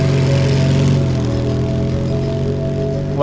วันนั้นมีขุดต้นไม้